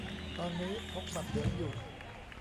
ตอนนี้พกบัตรเหลืองอยู่